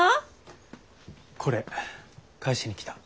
これ返しに来た。